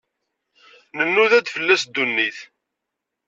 Nnuda-d fell-as ddunit.